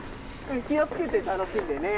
気をつけて楽しんでね。